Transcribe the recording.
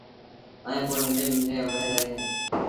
ائيٚݩ پو ننڍيٚݩ ننڍيٚݩ آݩبڙيٚن لڳيٚن ديٚݩ۔